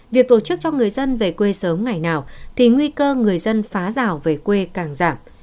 việc tổ chức cho người dân về quê sớm ngày nào thì nguy cơ người dân phá rào về quê càng giảm